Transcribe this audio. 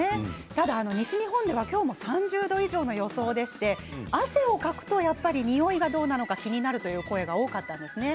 ただ、西日本では今日も３０度以上の予想でして汗をかくと、やっぱりにおいがどうなのか気になるという声が多かったんです。